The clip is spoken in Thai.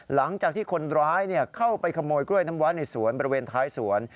หลังจากที่คนร้ายเข้าไปขโมยกล้วยน้ำว้าในสวนบริเวณท้ายสวน